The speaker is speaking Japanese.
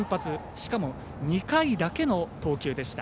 しかも、２回だけの投球でした。